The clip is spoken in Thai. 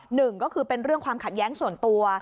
หนึ่งก็คือเป็นเรื่องความขัดแย้งส่วนตัว